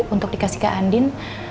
untuk dikasih ke andin